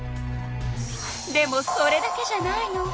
でもそれだけじゃないの。